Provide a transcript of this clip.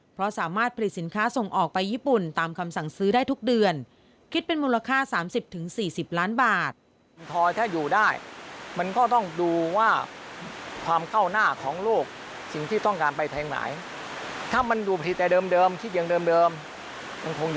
เพราะสามารถผลิตสินค้าส่งออกไปญี่ปุ่นตามคำสั่งซื้อได้ทุกเดือน